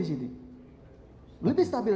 disini lebih stabil